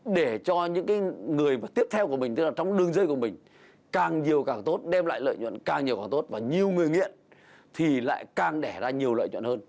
để cho những người tiếp theo của mình tức là trong đường dây của mình càng nhiều càng tốt đem lại lợi nhuận càng nhiều càng tốt và nhiều người nghiện thì lại càng đẻ ra nhiều lợi nhuận hơn